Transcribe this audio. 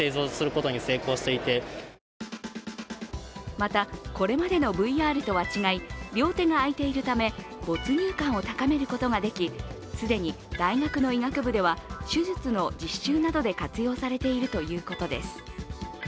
また、これまでのＶＲとは違い両手が空いているため没入感を高めることができ、既に大学の医学部では手術の実習などで活用されているということです。